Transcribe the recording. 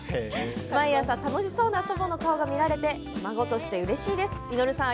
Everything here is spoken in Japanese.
毎朝楽しそうな祖母の顔を見られて孫としてうれしいです。